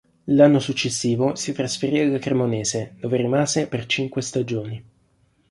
L'anno successivo si trasferì alla Cremonese dove rimase per cinque stagioni.